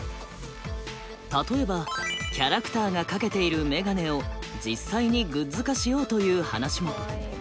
例えばキャラクターがかけているメガネを実際にグッズ化しようという話も。